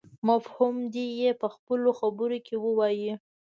مفهوم دې يې په خپلو خبرو کې ووايي.